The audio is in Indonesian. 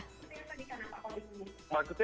seperti apa di sana pak kondisinya